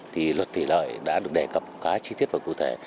thì luật thủy lợi đã được đề cập khá chi tiết và cụ thể